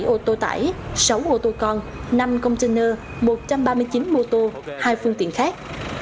ba mươi bảy ô tô tải sáu ô tô con năm container một trăm ba mươi chín mô tô hai phương tiện khác